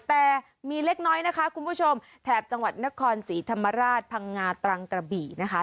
แต่มีเล็กน้อยนะคะคุณผู้ชมแถบจังหวัดนครศรีธรรมราชพังงาตรังกระบี่นะคะ